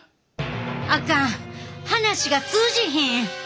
あかん話が通じひん。